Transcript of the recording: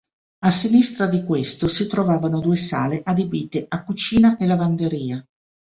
A sinistra di questo si trovavano due sale adibite a cucina e lavanderia.